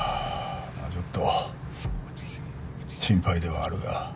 まっちょっと心配ではあるが。